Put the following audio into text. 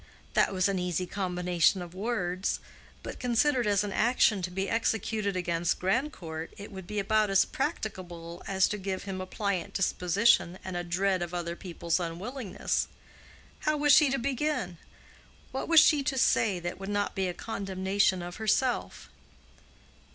That was an easy combination of words; but considered as an action to be executed against Grandcourt, it would be about as practicable as to give him a pliant disposition and a dread of other people's unwillingness. How was she to begin? What was she to say that would not be a condemnation of herself?